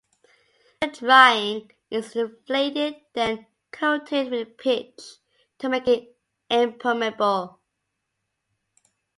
After drying, it is inflated, then coated with pitch to make it impermeable.